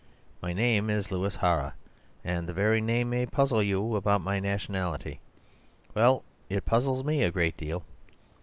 My name is Louis Hara, and the very name may puzzle you about my nationality. Well, it puzzles me a great deal.